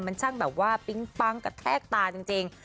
มันช่างแบบว่าปิ๊งปั๊งกระแทกตาจริง